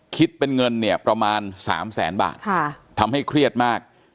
คิดเป็นเงินเนี่ยประมาณ๓แสนบาททำให้เครียดมาก